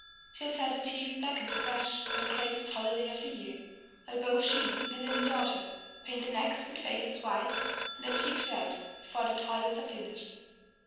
She has had her teeth blackened afresh for the greatest holiday of the year, while both she and her little daughter paint their necks and faces white and their cheeks red before their toilets are finished.